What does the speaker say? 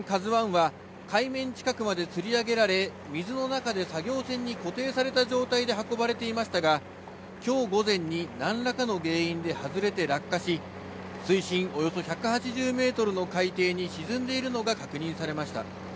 ＫＡＺＵＩは、海面近くまでつり上げられ、水の中で作業船に固定された状態で運ばれていましたが、きょう午前になんらかの原因で外れて落下し、水深およそ１８０メートルの海底に沈んでいるのが確認されました。